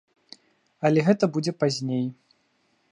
Але гэта будзе пазней.